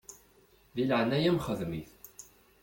Di leɛnaya-m xdem-it.